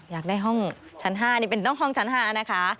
อยากได้ห้องชั้น๕นี่เป็นต้องห้องชั้น๕นะคะ